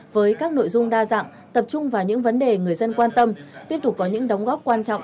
với các nội dung đa dạng tập trung vào những vấn đề người dân quan tâm tiếp tục có những đóng góp quan trọng